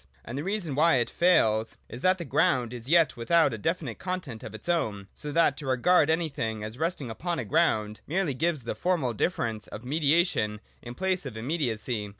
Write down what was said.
And the reason why it fails is that the ground is yet without a definite content of its own ; so that to regard anything as resting upon a ground merely gives the formal difference of mediation in place of imme diacy.